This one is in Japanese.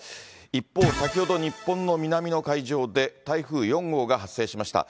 一方、先ほど日本の南の海上で、台風４号が発生しました。